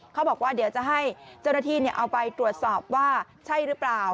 เขาบอกว่าเดี๋ยวจะให้เจ้าหน้าที่เอาไปตรวจสอบว่าใช่หรือเปล่า